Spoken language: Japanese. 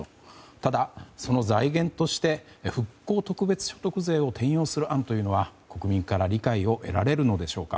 ただ、その財源として復興特別所得税を転用する案というのは国民から理解を得られるのでしょうか。